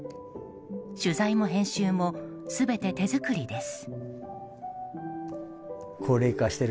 取材も編集も全て手作りです。